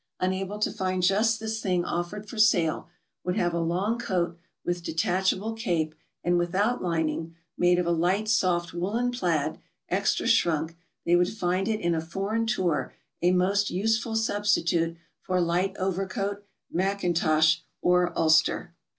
226 GOING ABROAD? unable to find just this thing offered for sale, would have a long coat, with detachable cape and without lining, made of a light, soft woolen plaid, extra shrunk, they ^'^ould find it in a foreign tour a most useful substitute for light overcoat, mackintosh, or ulster.